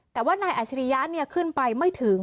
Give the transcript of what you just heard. แต่ว่านายอาชิริยะเนี่ยขึ้นไปไม่ถึง